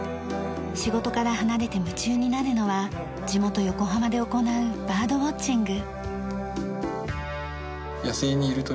仕事から離れて夢中になるのは地元横浜で行うバードウォッチング。